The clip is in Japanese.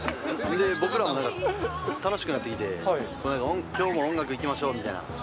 で、僕らもなんか、楽しくなってきて、きょうも音楽いきましょうみたいな。